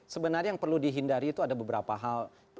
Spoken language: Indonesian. sebenarnya yang perlu dihindari itu ada beberapa hal